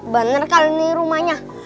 bener kali nih rumahnya